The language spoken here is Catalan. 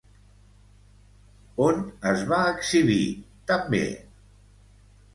On es va exhibir, també?